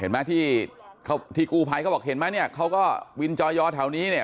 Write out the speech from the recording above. เห็นไหมที่กู้ภัยเขาบอกเห็นไหมเนี่ยเขาก็วินจอยอแถวนี้เนี่ย